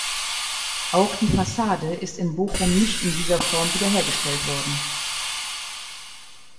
Auch die Fassade ist in Bochum nicht in dieser Form wiederhergestellt worden.